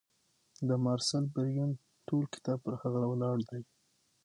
د مارسل بریون ټول کتاب پر هغه ولاړ دی.